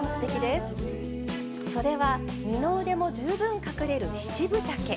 そでは二の腕も十分隠れる七分丈。